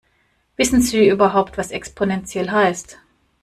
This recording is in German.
Wissen Sie überhaupt, was exponentiell heißt?